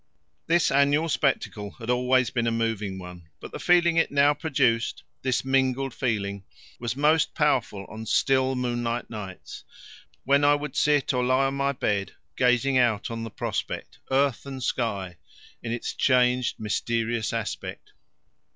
This annual spectacle had always been a moving one, but the feeling it now produced this mingled feeling was most powerful on still moonlight nights, when I would sit or lie on my bed gazing out on the prospect, earth and sky, in its changed mysterious aspect.